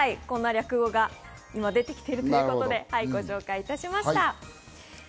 こんな略語が今、出てきているということでご紹介しました。